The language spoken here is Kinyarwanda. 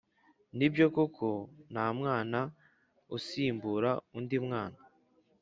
Nibyo koko ntamwana usimbura undi mwana